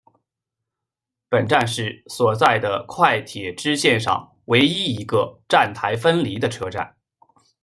本站是所在的快铁支线上唯一一个站台分离的车站。